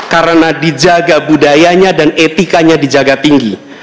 karena dijaga budayanya dan etikanya dijaga tinggi